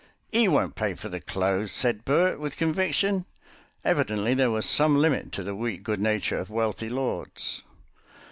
"'E won't pay for the clothes," said Bert, with conviction. Evidently there was some limit to the weak good nature of wealthy lords.